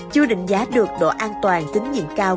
chưa đánh giá được độ an toàn tính nhiệm cao